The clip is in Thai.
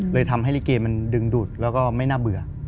เลยทำให้ลิเกมันดึงดูดแล้วก็ไม่น่าเบื่อ